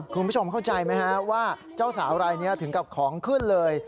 คุณผู้ชมเข้าใจไหมฮะว่าเจ้าสาวรายนี้ถึงกับของขึ้นเลย